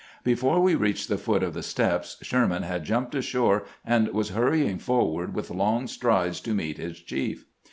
Before we reached the foot of the steps, Sherman had jumped ashore and was hurrying forward with long strides to meet his chief.